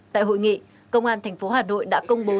tại hội nghị công an thành phố hà nội đã công bố